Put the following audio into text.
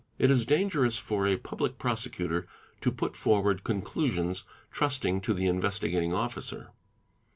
It is dangerous for a Public Prosecutor to put forward conclusions, trusting to the Investigating Officer.